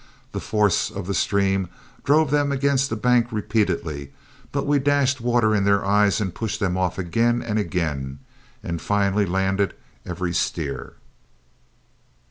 The force of the stream drove them against the bank repeatedly, but we dashed water in their eyes and pushed them off again and again, and finally landed every steer.